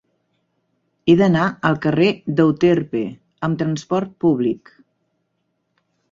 He d'anar al carrer d'Euterpe amb trasport públic.